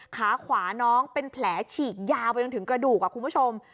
ขาขวาน้องเป็นแผลฉีกยาวไปจนถึงกระดูกคุณผู้ชม